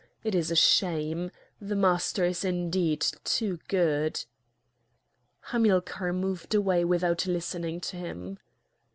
It is a shame! The Master is indeed too good." Hamilcar moved away without listening to him.